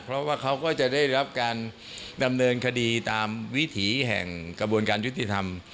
เพราะว่าเขาก็จะได้รับการดำเนินคดีตามวิถีแห่งกระบวนการยุติธรรม